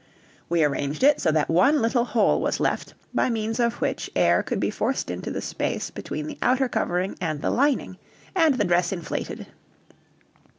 We so arranged it that one little hole was left, by means of which air could be forced into the space between the outer covering and the lining, and the dress inflated.